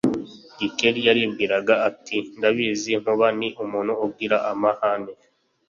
Gikeli yaribwiraga ati « ndabizi, Nkuba ni umuntu ugira amahane